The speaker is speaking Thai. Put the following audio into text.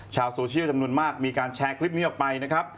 ชาวโซเชียลจำนวนมากมีการแชร์คลิปนี้ออกไปนะครับ